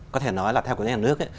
có thể nói là theo quy trình nhà nước